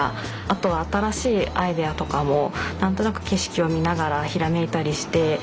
あとは新しいアイデアとかも何となく景色を見ながらひらめいたりして。